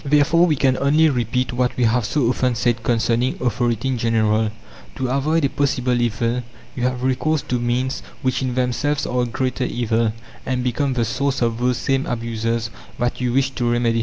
Therefore we can only repeat what we have so often said concerning authority in general: "To avoid a possible evil you have recourse to means which in themselves are a greater evil, and become the source of those same abuses that you wish to remedy.